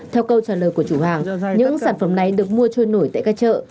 theo câu trả lời của chủ hàng những sản phẩm này được mua trôi nổi tại các chợ